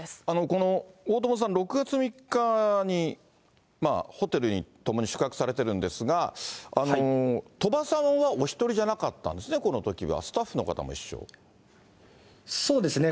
この大友さん、６月３日に、ホテルに共に宿泊されているんですが、鳥羽さんはお一人じゃなかったんですね、このときは、そうですね。